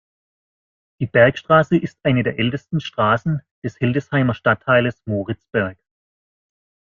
Die Bergstraße ist eine der ältesten Straßen des Hildesheimer Stadtteiles Moritzberg.